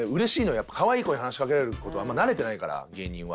やっぱかわいい子に話しかけられる事はあんま慣れてないから芸人は。